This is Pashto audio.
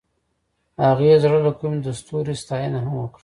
هغې د زړه له کومې د ستوري ستاینه هم وکړه.